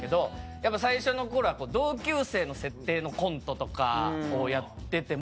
やっぱ最初の頃は同級生の設定のコントとかをやってても。